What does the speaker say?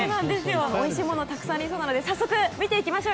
おいしいものがたくさんありそうなので行きましょう。